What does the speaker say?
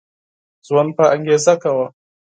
ژوند په انګيزه کوه